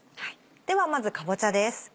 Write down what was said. ではまずかぼちゃです。